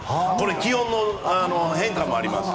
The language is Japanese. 気温の変化もあります。